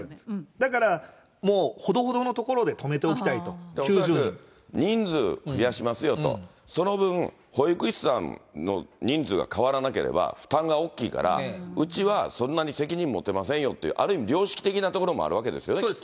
だから、もうほどほどのところで止めておきたいと、恐らく人数増やしますよと、その分、保育士さんの人数が変わらなければ負担が大きいから、うちはそんなに責任持てませんよっていうある意味良識的なところもあるわけですよね、きっと。